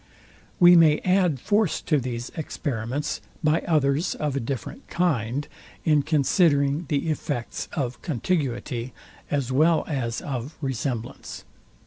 We may add force to these experiments by others of a different kind, in considering the effects of contiguity, as well as of resemblance.